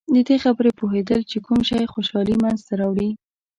د دې خبرې پوهېدل چې کوم شی خوشحالي منځته راوړي.